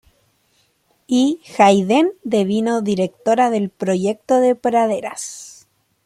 Y, Hayden devino directora del "Proyecto de Praderas".